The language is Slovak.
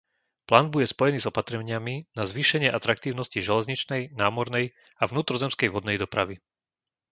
Plán bude spojený s opatreniami na zvýšenie atraktívnosti železničnej, námornej a vnútrozemskej vodnej dopravy.